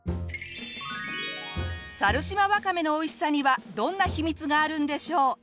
猿島わかめのおいしさにはどんな秘密があるんでしょう？